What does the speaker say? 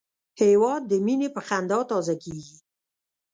هېواد د مینې په خندا تازه کېږي.